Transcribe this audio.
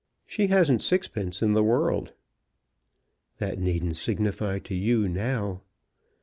She hasn't sixpence in the world." "That needn't signify to you now."